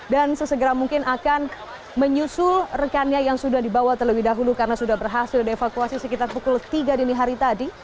sesegera mungkin akan menyusul rekannya yang sudah dibawa terlebih dahulu karena sudah berhasil dievakuasi sekitar pukul tiga dini hari tadi